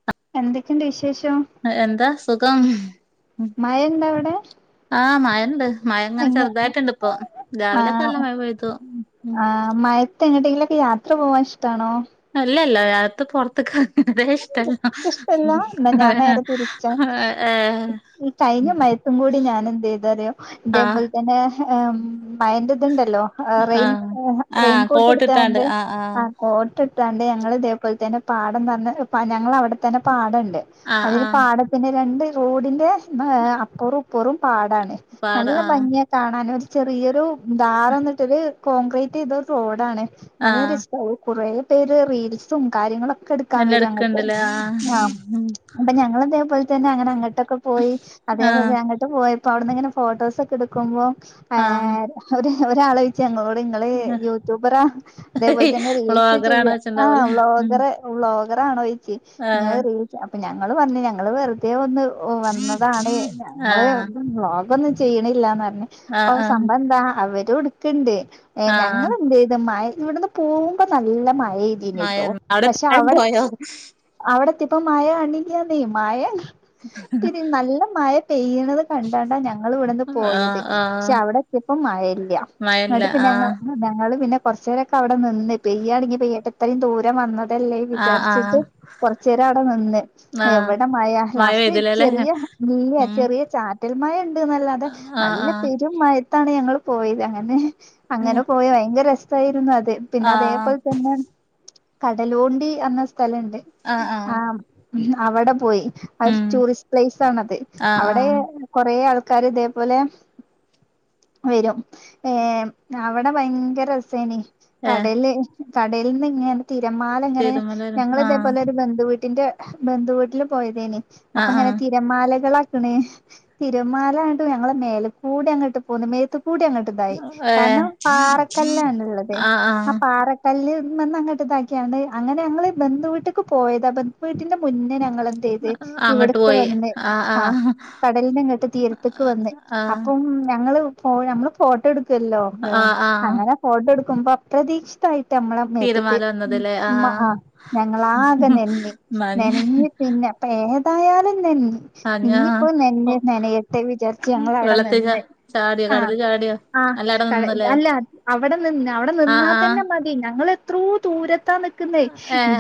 [inaudible] എന്തൊക്കെയൊണ്ട് വിശേഷം എന്താ സുഖം മയയൊണ്ടോ അവിടെ ആഹ് മയൊണ്ട് മയയിങ്ങെനെ അങ്ങ് ചെറുതായിട്ടൊണ്ടിപ്പോ രാവിലെക്കെ നല്ല ആഹ് മഴ പയ്തു ആഹ് മയത്തിനിടയിലൊക്കെ യാത്ര പോവാൻ ഇഷ്ടാണോ അല്ലല്ല മയയത്ത് പൊറത്തേക്കെറങ്ങണതേഷ് ട്ടല്ല ഇഷ്ടല്ല എന്നാ ഞാൻ നേരെ തിരിച്ചാ ഈ കഴിഞ്ഞ മയത്തും കൂടി ഞാനെന്ത് ചെയ്തറിയോ ആഹ് ഇതേപോൽ തന്നെ മയന്റെതുണ്ടല്ലോ റെയിൻ ആഹ് റെയിൻകോട്ടെടുത്താണ്ട് ആഹ് കോട്ടിട്ടോണ്ട് ഞങ്ങള് ഇതേപോൽ തന്നെ പാടതങ്ങ് ഞങ്ങള് അവെടെ തന്നെ പാടൊണ്ട് ആഹ് അതിന് ആഹ് പാടത്തിന്റെ രണ്ട് റോഡിന്റെ അപ്പെറവും ഇപ്പൊറും പാടാണ് പാട നല്ല ആഹ് ഭംഗിയാ കാണാന് ഒരു ചെറിയൊരു ധാറ വന്നിട്ടരു കോൺക്രീറ്റ് ചെയ്തരു റോഡാണ് ആഹ് നല്ലൊരു കുറേ പേര് റീൽസും കാര്യങ്ങളൊക്കെ എടുക്കാൻ എല്ലാം വരും അങ്ങനെ എടുക്കണ്ടല്ലേ ആഹ് അപ്പൊ ഞങ്ങൾ അതേപോലെ തന്നെ അങ്ങനെ അങ്ങോട്ടൊക്കെ പോയി അതേപോലെ ആഹ് ട്ട് പോയപ്പോ അവിടു ഇങ്ങനെ ഫോട്ടോസ് ഒക്കെ എടുക്കുമ്പോ ആഹ് ഒരാള് ച്ച് ഞങ്ങളോട് ഇങ്ങള് യൂട്യൂബറ അതേപോലെ തന്നെ റീൽസ് വ്ലോഗറാണോ ചെയ്യുക ആഹ് വെച്ചിണ്ടാവൂലേ വ്ലോഗറ് വ്ലോഗർ ആണോയിച്ച് ഇ ആഹ് റീൽ അപ്പൊ ഞങ്ങള് പറഞ്ഞഞ് ഞങ്ങള് വെറു തെ ഒന്ന് വന്നതാണ് ഞങ്ങള് ആഹ് വ്ലോഗൊന്നും ചെയ്യണില്ലന്ന് പറഞ്ഞ് അപ്പൊ ആഹ് ആഹ് സംഭവം എന്താ അവരും എടുക്കണ്ട് ആഹ് ഞങ്ങൾ എന്ത് ചെയ്ത് മയ ഇവിടുന്ന് പോകുമ്പോ നല്ല മഴയെതിന് മഴ കെട്ടോ പക്ഷെ മഴ അവിടെ പോയോ ചെ അവിടത്തിയപ്പം മഴ അണില്ലാന്നെ മാഴ പിന്നിം നല്ല മഴ പെയ്യ്ണത് കണ്ടാണ്ടാ ഞ ഇങ്ങളിവ്ടുന്ന് ആഹ് പോയത് ആഹ് പക്ഷെ അവിടെത്തിയപ്പം മഴല്ല, മഴല്ല ഇങ്ങട്ട് പിന്നെ ഞ ആഹ് ഞങ്ങള് പിന്നെ കൊറച്ചേരൊക്കെ അവിടെ നിന്ന് പെയ്യാണെങ്കി പെയ്യട്ടെ ഇത്രേം ദൂരം വന്നതല്ലേ ആഹ് ആഹ് വിചാരിച്ചിട്ട് കൊറച്ചേരം അവിടെ നിന്ന്. ആഹ് എവ്ടെ മഴ ലാസ്റ്റ് ചെറിയെ വീകാ ഉം ചെറിയെ ചാറ്റൽ മഴ ഇണ്ട്ന്നല്ലാതെ ആഹ് നല്ല ആഹ് പെരും മഴത്താണ് ഞങ്ങള് പോയത് അങ്ങനെ അങ്ങനെ ഏഹ് പോയ ഭയങ്കര രസായിരുന്നു അത്. പിന്നെ ആഹ് അതേപോലെ തന്നെ കടലുണ്ടി എന്ന സ്ഥലണ്ട്. ആഹ് അവടെ പോയി അതൊരു ഉം ടൂറിസ്റ്റ് പ്ലേസാണത്. ആഹ് അവടെ ആഹ് കൊറേ ആൾക്കാര് ഇതെപോലെ വരും. ഏഹ് അവടെ ഭയങ്കരസേനി ഏഹ് കടല് കടൽന്നിങ്ങനെ തിരമാലെങ്ങനെ തിരുമല വരും ഞങ്ങള് ആഹ് ബന്ധുവീട്ടിന്റെ ബന്ധുവീട്ടില് പോയതേനി. ആഹ് അപ്പങ്ങനെ തി തിരമാലകളാക്ക്ണ് തിരമാലങ്ങട്ട് ഞങ്ങളെ മേലകൂടങ്ങട്ട് പോന്ന് മേത്ത് കൂടങ്ങട്ട് തായി. ആഹ് ഏഹ് കാരണം പാറക്കല്ലാണ്ള്ളത്, ആഹ് ആ ആഹ് പാറ കല്ല്മന്നങ്ങട്ട് ഇതാക്കിയാണ്ട്, അങ്ങനെ ഞങ്ങള് ബന്ധുവീട്ട്ക്ക് പോയതാ, ബന്ധുവീട്ടിന്റെ മുന്നേ ഞങ്ങള് ചെയ്തേ ഇവട്ക്ക് വന്ന്. ആഹ് കടലിന്റങ്ങട്ട് തീരത്ത്ക്ക് വന്ന്. ആഹ് അപ്പം ഞങ്ങള് ഓഹ് നമ്മള് ഫോട്ടോ എടുക്കല്ലോ, ഏഹ് ആഹ് ആഹ് അങ്ങനെ ഫോട്ടട്ക്കുമ്പം പ്രതീക്ഷിതായിട്ട് നമ്മളെ മേത്ത്ക്ക് തിരമാല വന്നതല്ലേ ആഹ് ഞങ്ങളാകെ നഞ്ഞ് മഞ്ഞ ന്നനഞ്ഞ് പിന്നെ അപ്പൊ ഏതായാലും ന്നഞ്ഞ് മഞ്ഞ ഇനിയിപ്പം നഞ്ഞ് നനയട്ടെ വിചാരിച്ച് ഞങ്ങവിടെ വെള്ളത്തി നിന്ന്. ചാടിയോ ആഹ് കടല് ചാടിയോ ആഹ്, അല്ലാടെ കള് നിന്നല്ലേ അല്ല അവടെ നിന്ന് അവടെ ആഹ് നിന്നാ ആഹ് തന്നെ മതി. ഞങ്ങളെത്രോ ദൂരത്താ നിൽക്കുന്നേ ഏ ഏ ഇ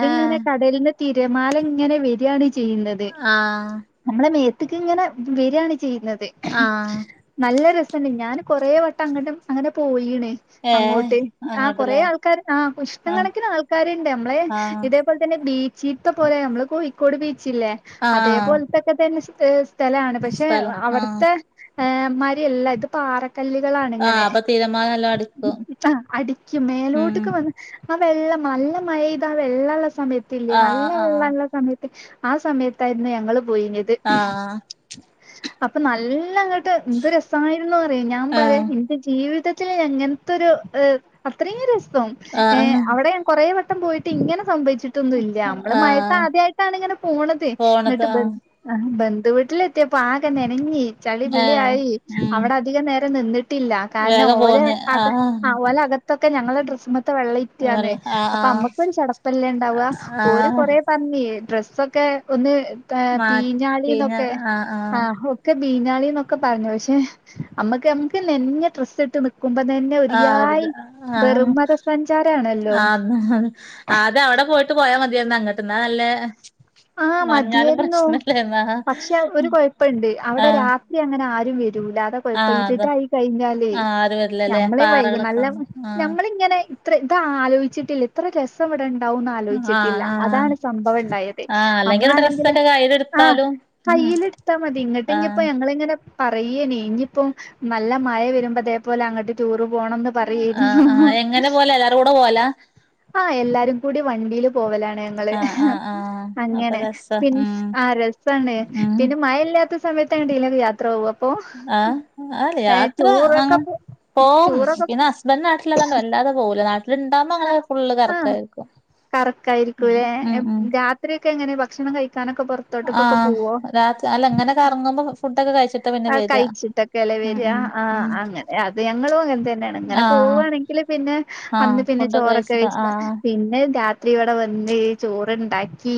കടൽന്ന് തിരമാല ഇങ്ങനെ വരിയാണ് ചെയ്യുന്നേ ആഹ് നമ്മളെ മേത്ത്ക്ക് ഇങ്ങനെ വരാണ് ചെയ്യുന്നത്. ആഹ് നല്ല രസണ്ട്, ഞാൻ കൊറെ വട്ടം അങ്ങട്ട് അങ്ങനെ പോയിണ് ഏ അങ്ങോട്ട്. ആഹ് കൊറെ അങ്ങോട്ടല്ലേ ആൾക്കാര് ആഹ് ഇഷ്ട ആഹ് കണക്കിന് ആൾക്കാര്ണ്ട് നമ്മളെ ആഹ് അതേപോലെ തന്നെ ബീച്ചിത്തെ പോലെ നമ്മളെ കോഴിക്കോട് ബീച്ചല്ലേ ആഹ് അതേപോൽത്തക്ക തന്നെ സ്ഥലാണ്. പക്ഷെ സ്ഥലം ആഹ് അവട്ത്തെ മ്മാരിയല്ല ഇത് പാറ ആഹ് കല്ലുകളാണിങ്ങനെ. അപ്പൊ തിരമാല നല്ലോ അടിക്കും ആഹ് അടിക്കും ഉം മേലോട്ട്ക്ക് വന്ന് ആ വെള്ളം നല്ല മഴെയ്ത ആ വെള്ളള്ള സമയത്തില്ലേ നല്ല ആഹ് ആഹ് വെള്ളള്ള സമയത്ത് ആ സമയത്തായിരുന്നു ഞങ്ങള് പോയിനെത്. ആഹ് അപ്പം നല്ല ഇങ്ങട്ട് എന്ത് രസമായിരുന്നു അറിയോ ഞാൻ പറയാ ഇന്ക്ക് ജീവിതത്തി ത്തില് ഞാൻ ഇങ്ങൻത്തൊരു ഏഹ് അത്രിരസം ആഹ് ഏഹ് ആഹ് അവടെ ഞാൻ കൊറെ വട്ടം പോയിട്ട് ട്ട് ഇങ്ങനെ സംഭവിച്ചിട്ടൊന്നുല്ല നമ്മള് ആഹ് മഴത്താദ്യായിട്ടാണിങ്ങനെ പോണത്. പോണത് ഇന്നട്ട് ആഹ് ബന്ധ ആഹ്, ബന്ധുവീട്ടിലെത്തിയപ്പോ ആകെ നനഞ്ഞ് ചളി ഏ പിളി ആയി ഉം അവിടെ അധികം നേരം നിന്നി ട്ടില്ല. കാരണം വേഗം ഓലെ പോന്ന് അക ആഹ് ഓലെ അകത്തൊക്കെ ഞങ്ങളെ ഡ്രസ്സ്മത്തെ വെള്ളം ഇറ്റിയാന്ന്. വെള്ള ആഹ് ആഹ് അപ്പമ്മക്ക് ഒര് ചടപ്പല്ലേ ഇണ്ടാവവാ ഓല് ആഹ് കൊറെ പറഞ്ഞ് ഡ്രസ്സൊക്കെ ഒന്ന് ഏഹ് മാ പീഞ്ഞാളിന്നൊക്കെ ആഹ്, ഒ ഒക്കെ പീഞ്ഞാളിന്നൊക്കെ പറഞ്ഞ് പക്ഷെ അമ്മക്ക് നമക്ക് നഞ്ഞ ഡ്രസ്സിട്ട് നിക്കാ നിക്കുംമ്പ തന്നെ ഒരിയായി ആഹ് ആഹ് വെറും മതസഞ്ചാരാണല്ലോ ആദ്യം അവടെ പോയിട്ട് പോയാ മതിയായിരുന്നു അങ്ങട്ട് ന്നാ നല്ലേ ആഹ് നനഞ്ഞാലും മതിയായിരുന്നു. പ്രശ്നല്ലേന്നാ പക്ഷെ ഒരു കൊഴപ്പണ്ട് അവടെ ആഹ് രാ ത്രി അങ്ങനെ ആരും വെരൂല അടെ ഇപ്പ ഇപ്പം ആഹ് അതാ ഇരുട്ടായി കഴിഞ്ഞാലേ ആഹ് ആരും വരില്ലല്ലേ ഞമ്മളെ വൈകു പാറകളൊക്കെ നല്ല ആവുമ്പോ ആഹ് ഞമ്മളിങ്ങനെ ഇത്ര ഇതാലോചിച്ചിട്ടില്ല ഇത്ര രസം ഇവിടെ ഇണ്ടാവുംന്ന് ആലോചിച്ചിട്ടില്ല ആഹ് ആഹ് അതാണ് സംഭവം ഇണ്ടായത്. ആഹ് അല്ലെങ്കിൽ ഒരു നമ്മളാണെങ്കില് ഡ്രസ്സൊക്കെ ആഹ് കയ്യിലെടുത്താലും ഉം കയ്യില്ട്ത്താ മതി ഇങ്ങട്ട് ആഹ് ഇനിയിപ്പം ഞങ്ങളിങ്ങനെ പറയിനി ഇനിയിപ്പം നല്ല മഴ വരുമ്പോത്തെ ഇപ്പൊല്ലം അങ്ങോട്ട് ടൂറ് പോണംന്ന് പറയരുന്നു ഉഹ് ഉഹ് ഹ് അല്ലാ ആഹ് എല്ലാരും കൂടി വണ്ടീൽ പോവലാണ് ഞങ്ങള് ആഹ് ഹ് ആഹ് ആഹ് അപ്പൊ അങ്ങനെ രസാ ഉം പിൻഹ് ആ രസമാണ് ഉം പിന്നെ മഴ ഇല്ലാത്ത സമയത്ത്ണ്ടല്ല യാത്ര പോവും അപ്പൊ ആഹ് ആ ഏഹ് യാത്ര ടൂറൊക്കെ ആഹ് പോ പോംസ് ടൂറൊക്കെ പിന്നെ ഹസ്ബൻഡ് നാട്ടിലിതാണ് വല്ലാതെ പോവില്ല [unintelligible] ഇവിടെണ്ടാകുമ്പോ ങ്ങൾ ആഹ് ഫുള്ള് ആഹ് കറക്കായിരിക്കും ഉം ഉം ത്രിക്കെ എങ്ങനെ ഭക്ഷണം കഴിക്കാനൊക്കെ പുറ ആഹ് രാത് അല്ല ങ്ങനെ ഇറങ്ങുമ്പോ ഫുഡൊക്കെ കഴിച്ചിട്ട പിന്നെ വര്യ കലെവര്യ ആ അങ്ങനെ അത് ഞങ്ങളും അങ്ങനെതന്നാണ് ഇങ്ങനെ ആഹ് പോവവാണെങ്കിൽ പിന്നെ ആഹ് അന്ന് പിന്നെ ഫുഡൊക്കെ ചോറൊക്കെ കഴിച്ചിട്ടാ വഴിച്ചി ആഹ് പിന്നെ രാത്രി ഇവിടെ വന്ന് ചോറണ്ടാക്കി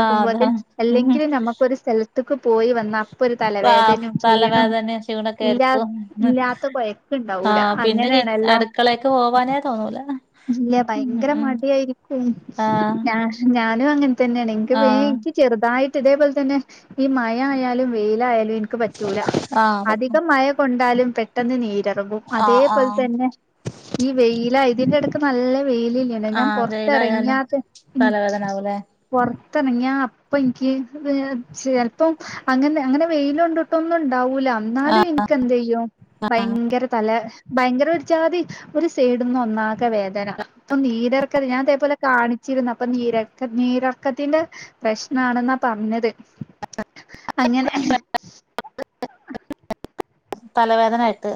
ആഹ് അതാ ഉം അല്ലെങ്കിലും നമുക്കൊ ഒരു സ്ഥലത്തക്ക് പോയി വന്ന ഇപ്പ ഒരു ആഹ് തലവേദനയും ക്ഷീണോം തലവേദനയും ക്ഷീണൊക്കെ ഇല്ലാ ആയിരിക്കും ഇല്ലാത്ത കൊഴപ്പ് ഇണ്ടാവൂല അങ്ങനെയണല്ലോ കളേക്ക് പോവാനേ തോന്നൂല ഹ് ഇല്ല ഭയങ്കര മടിയായിരിക്കും ആഹ് ഞാഷ് ഞാനും അങ്ങനെ തന്നെയാണ് എനിക്ക് ആഹ് [unintelligible] ചെറുതായിട്ട് ഇതേപോൽ തന്നെ ഈ മഴ ആയാലും വെയിലായാലും [unintelligible] എന്ക്കും പറ്റൂല ആഹ് പറ്റും അധികം മഴ കൊണ്ടാലും പെട്ടെന്ന് നീരെറങ്ങും ആഹ് അതേപോൽ ആഹ് തന്നെ ഈ വെയില ഇതിന്റെ ഇടക്ക് നല്ല വെയിലല്ല ഇല്ല ഞാൻ ആഹ് പുറത്ത് വെയിലായാലും ഇറങ്ങിയാത ഉം തലവേദന ആവൂലേ പുറത്തിറങ്ങിയ അപ്പൊ എനിക്ക് ഈഹ് ചില്പ്പം അങ്ങനെ അങ്ങനെ വെയിലുണ്ട് ഇപ്പൊന്നും ഉണ്ടാവൂല ആഹ് എന്നാലും എനിക്ക് എന്ത ചെയ്യും ഭയങ്കര തല എഹ് ഭയങ്കര ഒരു ജാതി ഒരു സൈഡന്ന് ഒന്നാ ക്കവേദന അപ്പൊ നീരർക്ക ഞാൻ അതേപോലെ കാണിച്ചിരുന്നു അപ്പൊ നീരർക് നീരർക്കത്തിന്റെ ഹേ പ്രശ്നാണെന്നാ പറഞ്ഞത് ഹ് അങ്ങനെഹ് [inaudible] തലവേദനായിട്ട്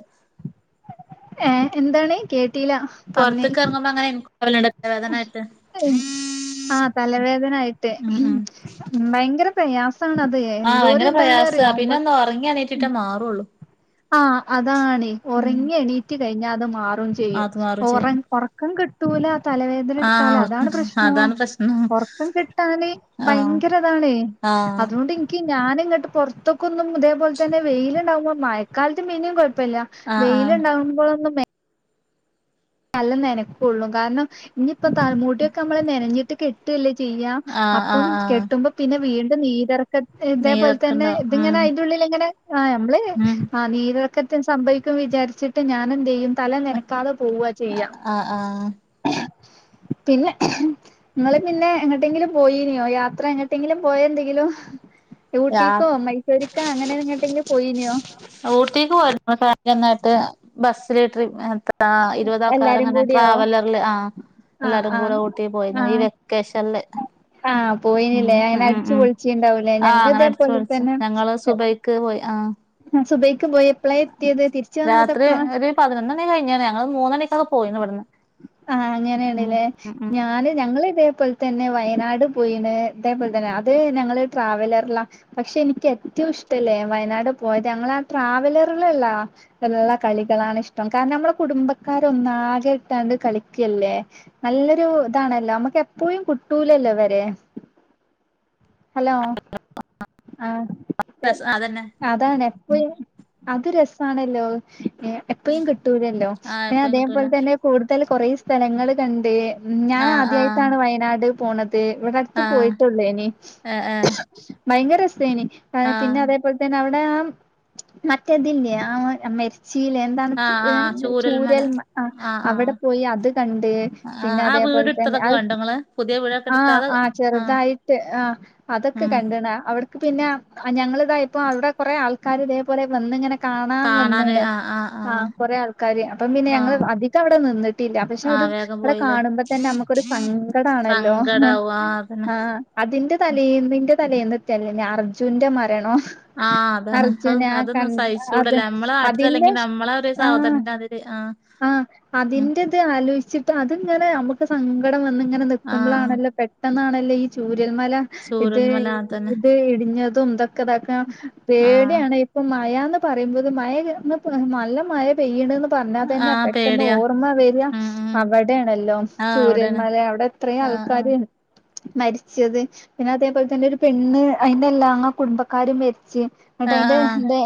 ഏഹ് എന്താണ് കേട്ടീല പുറത്തൊക്ക് ഇറങ്ങുമ്പോ അങ്ങനെ [unintelligible] തലവേദനായിട്ട് ആഹ് തലവേദനായിട്ട് ഉം ഉം ഭയങ്കര പ്രയാസണത് എന്തോ ഒരു ഇതാണ് അറിയോ [unintelligible] ഉറങ്ങി എണീറ്റിട്ടെ മാറുള്ളൂ ആഹ് അതാണ് ഉം ഉറങ്ങി എണീറ്റ് കഴിഞ്ഞാ അത് മാറും [unintelligible] ചെയും അത് മാറും ചെയ്യും ഉറങ് ഉറക്കം കിട്ടൂല തലവേദന ആഹ് എടുത്താൽ അതാണ് ഓർക്ക്ണ്ട് പ്രശ്നോ അതാണ് പ്രശ്നം ഉറക്കം [unintelligible] കിട്ടാന് ആഹ് ഭയങ്കരതാണ് ആഹ് അതുകൊണ്ട് ഞാന് ഇങ്ങോട്ട് പുറത്തൊക്ക് ഒന്നും ഇതേപോൽ തന്നെ വെയിലുണ്ടാവുമ്പോൾ മയക്കാലത്ത് പിന്നെയും കുഴപ്പില്ല ആഹ് ആഹ് വെയിണ്ടാവുമ്പോളൊന്നും നല്ല നനക്കുള്ളൂ കാരണം ഇനിയിപ്പ തലമുട്ടിയൊക്കെ നമ്മള് നനഞ്ഞിട്ട് കെ ട്ടല്ലേ ചെയ്യാ ആഹ് അപ്പം ആഹ് ആഹ് കെട്ടുമ്പോ പിന്നെ വീണ്ടും നീര് ഇതേപോലെ തന്നെ നീർക്ക്ണ്ടാവും ഉം ഇതിങ്ങനെ അതിന്റുള്ളിൽ ഇങ്ങനെ ആ നമ്മള് ഉം ആ നീര് ക്കത്തും സംഭവിക്കും വിചാരിച്ചിട്ട് ഞാനെന്ത് ചെയ്യും തല നനക്കാതെ പൊവ്വാ ചെയ്യാ ആഹ് ആഹ് പിന്നെ നിങ്ങള് പിന്നെ എങ്ങട്ടെങ്കിലും പോയിനെയോ യാത്ര എങ്ങട്ടെങ്കിലും പോയന്തെങ്കിലും? രാ ഊട്ടിക്കോ മൈസൂരിക്കാ അങ്ങനെ എങ്ങട്ടെങ്കിലും പോയിനിയോ? ഊട്ടിക്ക് പോയിന്നായിട്ട് ബെസ്സില് ട്രി ആഹ് ഇരുപത് ആൾക്കാർ എല്ലാരും അങ്ങനെ കൂടിയോ ട്രാവലറില് ആഹ് ആ എല്ലാരും ആ കൂടെ ഊട്ടി പോയി ആ ഈ വെക്കേഷൻല് ആഹ് പോയിനില്ലേ അങ്ങനെ അടിച്ചു പൊളിച്ചിണ്ടാവൂലേ ആഹ് ഞങ്ങള് അങ്ങനെ അടിച്ചു ഇതേപോലെ പൊളിച്ചു തന്നെ ഞങ്ങള് സുബൈക്ക് പോയി ആഹ് സുബയ്ക്ക് പോയി എപ്പളെ എത്തിയത് തിരിച്ച് വന്നത് എപ്പളാ? പതിനൊന്ന് മണി കഴിഞ്ഞേനെ, ഞങ്ങള് മൂന്ന മണിക്ക് പോയിന്നു ഇവിടുന്ന്. ആഹ ഉം അങ്ങനേണ്ല്ലേ. ഞാന് ഞങ്ങള് ഇതേപൊൽ തന്നെ വയനാട് പോയിണ്. ഇതേപോലെ തന്നെ അത് ഞങ്ങള് ട്രാവലറിലാ. പക്ഷെ എനിക്ക് ഏറ്റവും ഇഷ്ടല്ലേ, വയനാട് പോയത് ഞങ്ങള് ആ ട്രാവലറുകളല്ലാ. എല്ലാ കളികളാണ് ഇഷ്ടം. കാരണം നമ്മുടെ കുടുംബക്കാര് ഒന്നാകെ ഇട്ടാണ്ട് കളിക്കല്ലേ. നല്ലൊരു ഇതാണല്ലോ. നമ്മുക്ക് എപ്പോഴും കുട്ടൂലല്ലോ ഇവരെ. ഹലോ. ആഹ് [unintelligible] അതന്നെ. അതാണ് എപ്പളും. അത് രസാണല്ലോ. എ എപ്പഴും കിട്ടൂലല്ലോ. ആഹ് പിന്നെ എപ്പഴും കിട്ടൂല അതേപോലെ തന്നെ കൂടുതൽ കൊറെേ സ്ഥലങ്ങള് കണ്ട്. ഉം ഞാൻ ആഹ് ആഹ് ആദ്യായിട്ടാണ് വയനാട് പോണത്. ഇവിടെ അടുത്ത് ആഹ് പോയിട്ടുള്ളേനി. ഏഹ് ഏഹ് ഭയങ്കര രസേനി. പിന്നെ ആഹ് അതേപോ പിന്നെ അവിടെ ആ മറ്റേതില്ലേ? ആ മരിച് ശീല എന്താണ് ആഹ് എ ആഹ് ചൂരൽമല ചൂരൽമ അ. ആഹ് അവിടെ ആഹ് പോയി, അത് കണ്ട്. ആഹ് പിന്നെ ആ അതേപോലെ വീട് തന്നെ ഇട്ത്തതൊക്കെ അഹ് കണ്ടോ ഇങ്ങള് പുതിയ വീടൊക്കെ ആ ഇട്ത്ത അത് ആ. ആഹ് ചെറുതായിട്ട് ആ അതൊക്കെ ഉം കണ്ടു. ണ. അവിടക്ക് പിന്നെ ഞങ്ങള് ഇതാ ഇപ്പ അവിടെ കൊറ ആൾക്കാർ ഇതേപോലെ വന്ന് ഇങ്ങനെ കാണാൻ കാണാന് വന്ന്ടെ. ആഹ് ആഹ് ആഹ ആഹ് കൊറെ ആൾക്കാര്. അപ്പം പിന്നെ ഞങ്ങള് ആഹ് അധി കം അവിടെ നിന്നിട്ടില്ല. പക്ഷെ അവര് ആഹ് വേഗം അവിടെ പോയില്ലേ കാണുമ്പോ തന്നെ നമ്മുക്കൊരു സങ്കടം ആണല്ലോ. സങ്കടാവും ആഹ് അതന്നെ ആഹ് അതിന്റെ തലേനിന്റെ തലേന്നിട്ടല്ലേ അർജുന്റെ മരണം. ആഹ് അതാണ് അർജുന അഹ് ആ അതൊന്നും കണ്ട് അത് സഹിച്ചൂടല്ല നമ്മളെ അതിന്റെ നാട്ടിലല്ലെങ്കി ഷ് നമ്മളെ ഒരു സഹോദരന്റെ മാതിരി ആഹ് ആഹ ആ ഉം അതിന്റെത് ആലോചിച്ചിട്ട്, അതിങ്ങനെ നമുക്ക് സങ്കടം വന്ന് ഇങ്ങനെ ആഹ് നൽക്കുമ്പോളാണല്ലോ പെട്ടെ ന്നാണല്ലോ ഈ ചൂരൽമല ഇത് ചൂരൽമല അതന്നെ ഇത് ഇടിഞ്ഞതും. ഇതൊക്കെ ഇതാക്കാ ആഹ് പേടിയാണ്, ഇപ്പൊ മയാന്ന് പറയുമ്പോത് മയ നല്ല മയ പെയ്യണന്ന് പറഞ്ഞാൽ തന്നെ ആഹ് പെട്ട് ന്ന് പേടിയാ ഓർമ്മ വര ഉം ഉം അവിടെയാണല്ലോ. ആഹ് അവിടെയാണ് ചൂരൽമല അവിടെ എത്രയും ആഹ് ആഹ് ആൾക്കാര്, മരിച്ചത്. പിന്നെ അതേപോലെ തന്നെ ഒരു പെണ്ണ്. അയിന്റെ എല്ലാം കുടുംബക്കാരും മരിച്ച് എന്നിട്ട് അതിന്റെ ആഹ് എന്തെ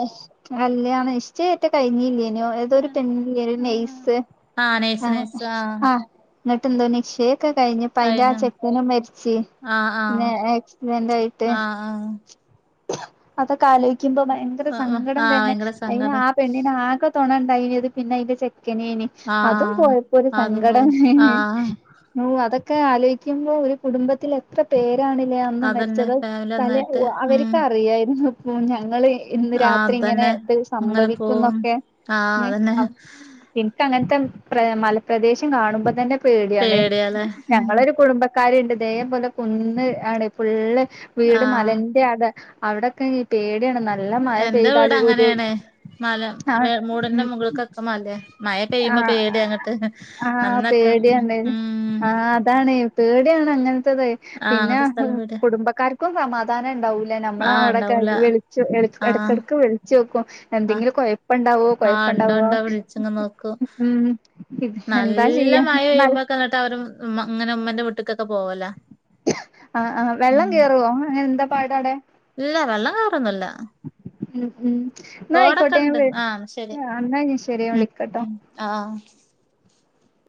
കല്യാണം നിശ്ചയായിട്ട് കഴിഞ്ഞില്ലേനോ. ഏതോരു ആഹ് പെണ്ണിന്റെ നെഴ് ആഹ് സ് ആഹ് നൈസ് നൈസ് ആഹ് ആ എന്നിട്ട് എന്തോ നിശ്ചയൊക്കെ കഴിഞ്ഞ് അയിന്റെ ആ കഴിഞ്ഞു ചെക്കനും മരിച്ച് ആഹ് ആഹ് പിന്നെ ആക്സിഡന്റ് ആയിട്ട്. ആഹ് അതൊക്കെ ആലോചിക്കുമ്പോ ഭയങ്കര ആഹ് സങ്കടം ആഹ് തന്നെ. ഭയങ്കര അയിന് സങ്കടം ആ പെണ്ണിന് ആകെ തുണ ഉണ്ടായിന് പിന്നെ അതിന്റെ ചെക്കനേന്. ആഹ് അതും പോയപ്പോ ഒരു ആഹ് അതും സങ്കടം. പോയി ആഹ് ഓ അതൊക്കെ ആലോചിക്കുമ്പോ ഒരു കുടുംബത്തിൽ എത്ര പേരാണില്ലേ അ ന്ന് അതന്നെ മരിച്ചത്. ഫാമിലി തല ഒന്നായിട്ട് ഉം അവരിക്ക് അറിയായിരുന്നു ഇപ്പോ ഞങ്ങള് ഇന്ന് ആഹ് രാത്രി ഇങ്ങനെ അതന്നെ ഇത് അങ്ങനെ സംഭവിക്കും പോവും എന്നൊക്കെ. ആഹ് അതന്നെ [unintelligible] എനിക്ക് അങ്ങനത്തെ മലപ്രദേശം കാണുമ്പോ തന്നെ പേടിയാണ്. പേടിയാല്ലേ ഉം ഞങ്ങളൊരു കുടുംബ കാര്ണ്ട്. ഇതേപോലെ കുന്ന് ആണ് ഫുള്ള് വീട് ആഹ് മലന്റെ [unintelligible] അവിടൊക്കെ പേടിയാണ് നട എന്റെ വീട് അങ്ങനെണ്. മല ആ മൂടിന്റെ ഉം മുകളൾക്കക് ക്കമാല്ലേ. മയ ആ പെയ്യുമ്പോ പേടിയ അങ്ങക്ക് ആ അന്നെക്ക ഉം പേടിയാണ് ഉം. ആ അതാണ് പേടിയാണ് അങ്ങനത്തത്. ആഹ് പിന്നെ അങ്ങനത്തെ സ്ഥലം പേടിയാ കുടുംബക്കാർ ക്കും സമാധാനം ഉണ്ടാവൂല. ഞമ്മള ആഹ് അവിടെക്കെ ഉണ്ടാവൂല വിളിച്ച ആഹ് എടക്കിടക്ക് വിളിച്ച് നോക്കും. ആഹ് എന്തെങ്കിലും കൊയപ്പുണ്ടാവോ, കൊയപ്പുണ്ടാവോ. ച്ച നോക്കും. എന്താ നല്ല മഴ ചെയ്യാ പെയ്യുമ്പോ ങ്ങിട്ട് അവര അങ്ങനെ ഉമ്മന്റെ വിട്ടിക്കൊക്കെ പോവല്ല. ആഹ് ആഹ. വെള്ളം കേറുവോ അങ്ങനെ എന്താ പാടാ വ്ടെ. ഇല്ല വെള്ളം കേറൊന്നുല്ല ഉം ഉം എന്ന തോടൊക്കെ ആയിക്കോട്ടെ ഉണ്ട് ആഹ് ഞാൻ എന്നാ ഇനി ശരി. ഞാൻ വിളിക്കാട്ടോ. ആഹ